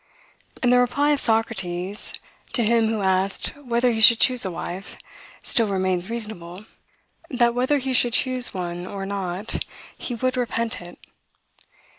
And the reply of Socrates, to him who asked whether he should choose a wife, still remains reasonable, "that, whether he should choose one or not, he would repent it."